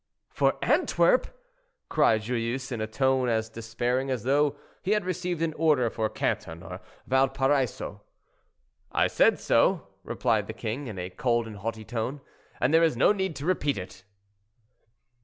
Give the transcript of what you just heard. "For Antwerp!" cried Joyeuse, in a tone as despairing as though he had received an order for Canton or Valparaiso. "I said so," replied the king, in a cold and haughty tone, "and there is no need to repeat it."